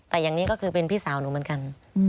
แต่อย่างนี้ก็คือเป็นพี่สาวหนูเหมือนกัน